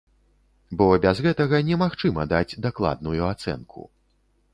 Бо без гэтага немагчыма даць дакладную ацэнку.